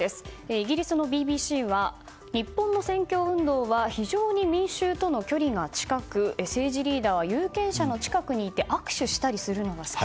イギリスのＢＢＣは日本の選挙運動は非常に民衆との距離が近く政治リーダーは有権者の近くにいて握手したりするのが好き。